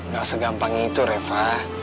gak segampang itu reva